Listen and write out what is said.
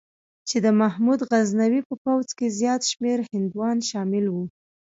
چې د محمود غزنوي په پوځ کې زیات شمېر هندوان شامل وو.